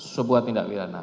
sebuah tindak pidana